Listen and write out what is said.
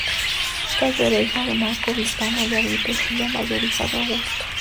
Cayo era hijo de Marco Vipsanio Agripa y Julia la Mayor, hija de Augusto.